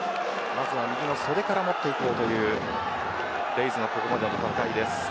まずは右の袖から持っていこうというレイズのここまでの戦いです。